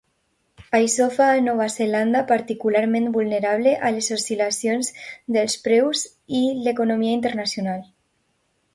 Això fa a Nova Zelanda particularment vulnerable a les oscil·lacions dels preus i l'economia internacional.